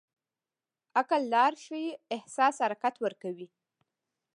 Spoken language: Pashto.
عقل لار ښيي، احساس حرکت ورکوي.